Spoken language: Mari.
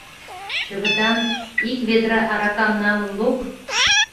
Чывытан, ик ведра аракам налын лук.